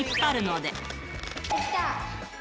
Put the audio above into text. できた。